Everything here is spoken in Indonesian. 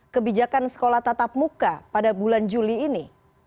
kebijakan sekolah tatap muka pada bulan juli ini